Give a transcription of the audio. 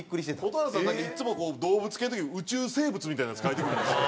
蛍原さんだけいっつもこう動物系の時宇宙生物みたいなやつ描いてくるんですよ。